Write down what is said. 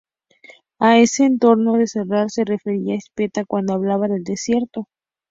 A ese entorno desolador se refería Spinetta cuando hablaba del "desierto".